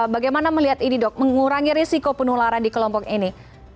bagaimana melihat ini dok mengurangi risiko penularan di kelompok ini